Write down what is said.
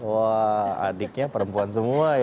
wah adiknya perempuan semua ya